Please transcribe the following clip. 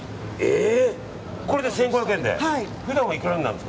これで１５００円で。